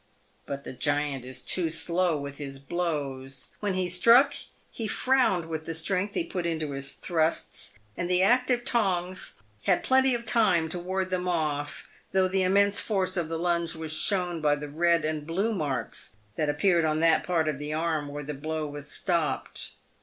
But the giant is too slow with his blows. When he 190 PAVED "WITH GOLD. struck he frowned with the strength he put into his thrusts, and the active Tongs had plenty of time to ward them off, though the im mense force of the lunge was shown by the red and blue marks that appeared on that part of the arm where the blow was stopped.